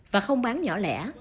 và không bán nhỏ lẻ